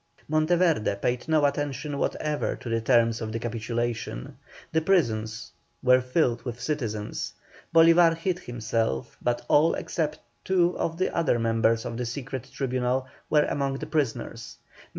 Monteverde paid no attention whatever to the terms of the capitulation. The prisons were filled with citizens; Bolívar hid himself, but all except two of the other members of the secret tribunal were among the prisoners.